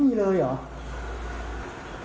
ไม่มีเลยหรอ